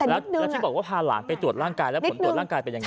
แล้วถ้าบอกว่าพาหลังไปทดลองกายมีผลทดลองกายมันเป็นยังไง